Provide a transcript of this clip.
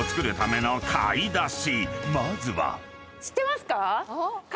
［まずは］